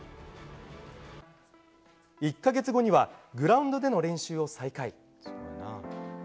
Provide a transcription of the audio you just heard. １か月後にはグラウンドでの練習を再開。